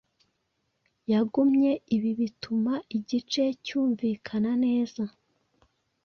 yagumye Ibi bituma igice cyumvikana neza